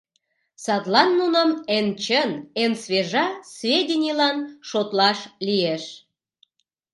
Садлан нуным эн чын, эн свежа сведенийлан шотлаш лиеш.